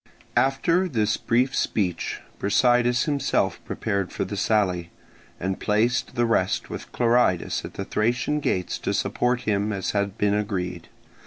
After this brief speech Brasidas himself prepared for the sally, and placed the rest with Clearidas at the Thracian gates to support him as had been agreed.